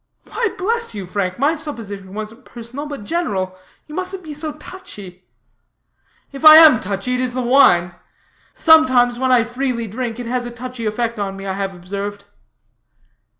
"Why, bless you, Frank, my supposition wasn't personal, but general. You mustn't be so touchy." "If I am touchy it is the wine. Sometimes, when I freely drink, it has a touchy effect on me, I have observed."